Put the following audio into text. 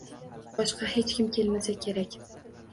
Boshqa hech kim kelmasa kerak